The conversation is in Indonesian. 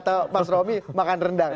atau mas romi makan rendang